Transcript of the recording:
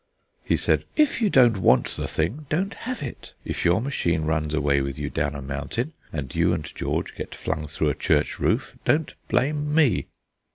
He said: "If you don't want the thing, don't have it. If your machine runs away with you down a mountain, and you and George get flung through a church roof, don't blame me."